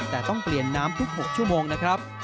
แต่ต้องเปลี่ยนน้ำทุก๖ชั่วโมงนะครับ